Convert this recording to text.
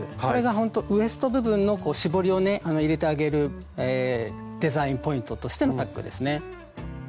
これがほんとウエスト部分の絞りをね入れてあげるデザインポイントとしてのタックですね。